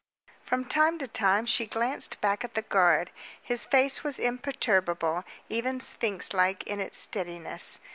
From time to time she glanced back at the guard. His face was imperturbable, even sphinx like in its steadiness.